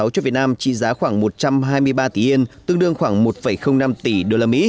hai nghìn một mươi sáu cho việt nam trị giá khoảng một trăm hai mươi ba tỷ yên tương đương khoảng một năm tỷ usd